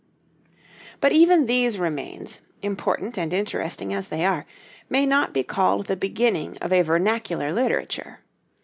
] But even these remains, important and interesting as they are, may not be called the beginning of a vernacular literature.